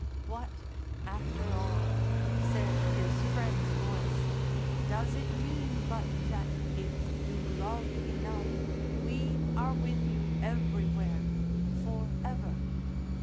"What, after all," said his Friend's voice, "does it mean but that if you love enough we are with you everywhere for ever?"